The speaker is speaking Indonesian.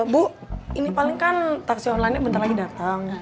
bu ini paling kan taksi online nya bentar lagi dateng